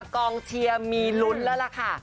กองเชียร์มีลุ้นแล้วล่ะค่ะ